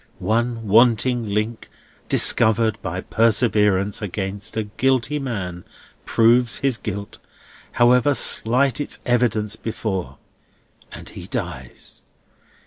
One wanting link discovered by perseverance against a guilty man, proves his guilt, however slight its evidence before, and he dies.